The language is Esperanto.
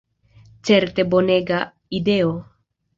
Certe bonega ideo.